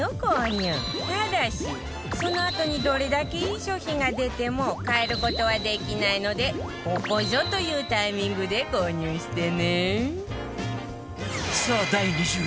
ただしそのあとにどれだけいい商品が出ても変える事はできないのでここぞというタイミングで購入してね